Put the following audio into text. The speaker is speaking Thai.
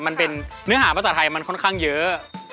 มันเป็นเนื้อหาภาษาไทยมันค่อนข้างเยอะ